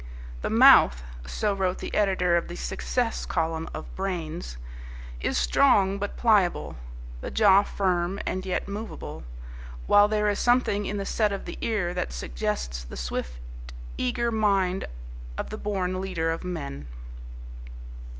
"The mouth," so wrote the editor of the "Success" column of Brains, "is strong but pliable, the jaw firm and yet movable, while there is something in the set of the ear that suggests the swift, eager mind of the born leader of men."